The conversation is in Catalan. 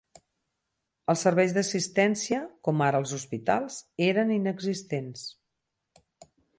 Els serveis d'assistència, com ara els hospitals, eren inexistents.